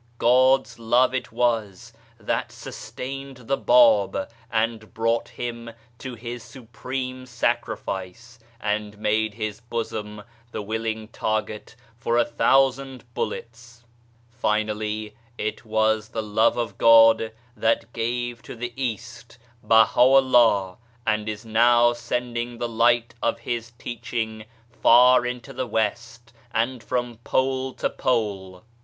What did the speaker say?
God's Love it was that sustained the Bab and brought him to his supreme sacrifice, and made his bosom the willing target for a thousand bullets. Finally, it was the Love of God that gave to the East Baha'u'llah, and is now sending the light of His teaching far into the West, and from Pole to Pole.